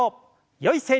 よい姿勢に。